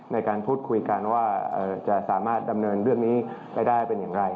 ในการพูดคุยกันว่าจะสามารถดำเนินเรื่องนี้ไปได้เป็นอย่างไร